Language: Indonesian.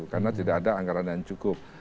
karena tidak ada anggaran yang cukup